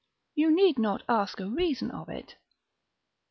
You need not ask a reason of it.